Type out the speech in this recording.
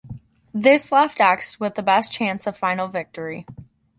This left X with the best chance of final victory.